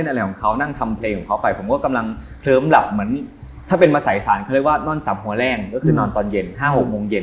นะก็คือนั่งเดินังเกลือเหมือนเป็นมาสายศาลก็ได้ว่านอนสามหัวแรงตอนเย็น๕๖โมงเย็น